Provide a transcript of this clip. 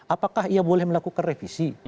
apakah ia boleh melakukan revisi